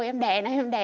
em đẻ nó em đẻ em đẻ